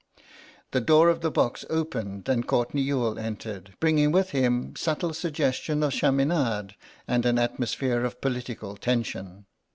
The door of the box opened and Courtenay Youghal entered, bringing with him subtle suggestion of chaminade and an atmosphere of political tension.